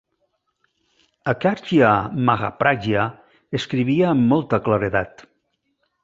Acharya Mahapragya escrivia amb molta claredat.